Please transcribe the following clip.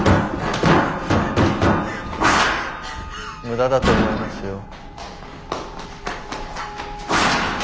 無駄だと思いますよ。